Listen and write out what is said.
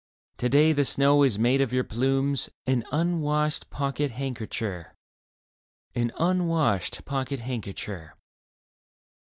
To day the snow has made of your plumes An unwashed pocket handkercher, An unwashed pocket handkercher ..